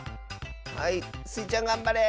はいスイちゃんがんばれ！